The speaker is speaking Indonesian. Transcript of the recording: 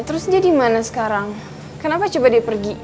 ya terus dia dimana sekarang kenapa coba dia pergi